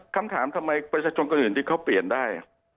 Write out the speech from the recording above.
คำถามทำไมประชาชนการอื่นที่เขาเปลี่ยนได้